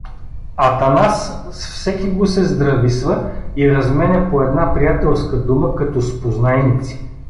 Атанас с всекиго се здрависва и разменя по една приятелска дума, като с познайници.